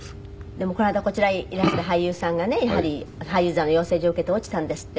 でもこの間こちらへいらした俳優さんがねやはり俳優座の養成所を受けて落ちたんですって。